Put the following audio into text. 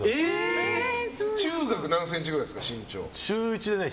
中学で何センチくらいですか？